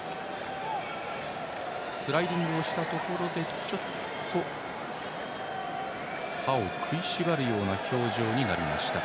スライディングしたところでちょっと歯を食いしばるような表情になりました。